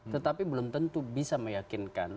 tetapi belum tentu bisa meyakinkan